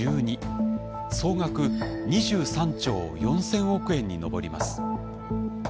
総額２３兆４，０００億円に上ります。